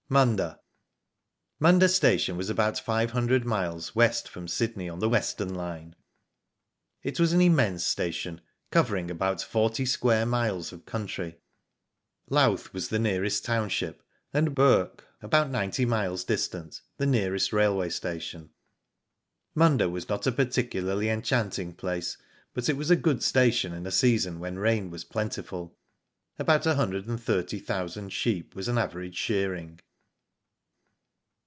MUNDA. MuNDA Station was about five hundred miles from Sydney on the Western line. It was an immense station, covering about forty square miles of country. Louth was the nearest township, and Bourke about ninety miles distant, the nearest railway station. Munda was not a particularly enchanting place, but it was a good station in a season when rain was plentiful. About a hundred and thirty thousand sheep was an average shearing.